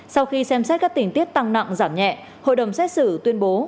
sau khi xem xét các tình tiết tăng nặng giảm nhẹ hội đồng xét xử tuyên bố